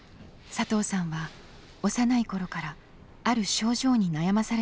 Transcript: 佐藤さんは幼い頃からある症状に悩まされています。